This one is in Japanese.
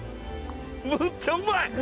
むっちゃうまい！